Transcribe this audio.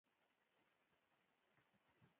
د حجرې شکل یې متغیر دی.